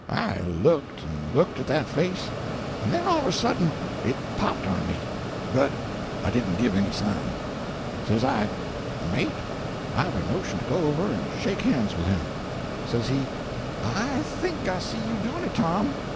I looked and looked at that face and then all of a sudden it popped on me! But I didn't give any sign. Says I, 'Mate, I've a notion to go over and shake hands with him.' Says he 'I think I see you doing it, Tom.'